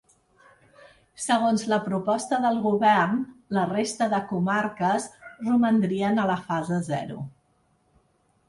Segons la proposta del govern, la resta de comarques romandrien a la fase zero.